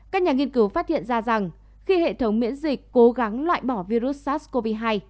các nhà nghiên cứu phát hiện ra rằng khi hệ thống miễn dịch cố gắng loại bỏ virus sars cov hai